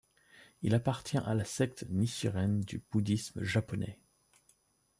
Il appartient à la secte Nichiren du bouddhisme japonais.